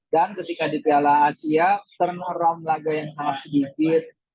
dan ketika di piala asia turn around laga yang sangat sedikit